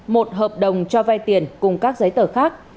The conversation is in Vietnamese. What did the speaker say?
một hợp đồng cho vai tiền cùng các giấy tờ khác